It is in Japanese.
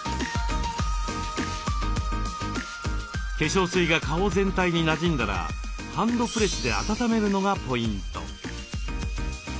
化粧水が顔全体になじんだらハンドプレスで温めるのがポイント。